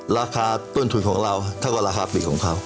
ราคาต้นทุนของเราเท่ากับราคาปลีกของเขา